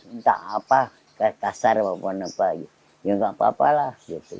entah apa kasar apapun apa ya nggak apa apa lah gitu